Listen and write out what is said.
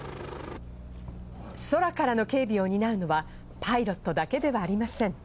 空からの警備を担うのはパイロットだけではありません。